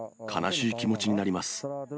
悲しい気持ちになります。